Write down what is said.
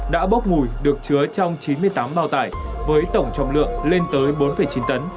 đã bốc mùi được chứa trong chín mươi tám bao tải với tổng trọng lượng lên tới bốn chín tấn